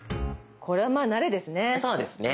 これはまあ慣れですね。